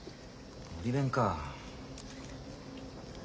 のり弁か。